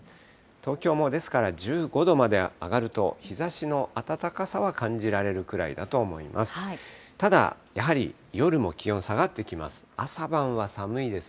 東京も、ですから１５度まで上がると、日ざしの暖かさは感じられるくらいだと思います。